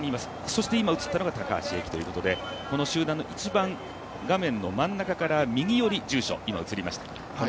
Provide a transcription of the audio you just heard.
そして今映ったのが高橋英輝ということでこの集団の画面の真ん中から右寄り、住所が映りました。